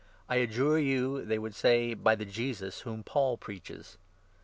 " I adjure you," they would say, " by the Jesus, whom Paul preaches."